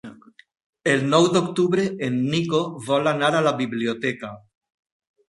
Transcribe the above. El nou d'octubre en Nico vol anar a la biblioteca.